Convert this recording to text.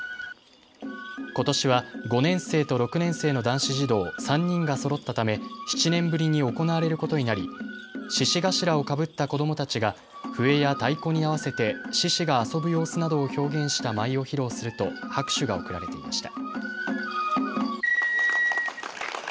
ことしは５年生と６年生の男子児童３人がそろったため７年ぶりに行われることになり獅子頭をかぶった子どもたちが笛や太鼓に合わせて獅子が遊ぶ様子などを表現した舞を披露すると拍手が送られていました。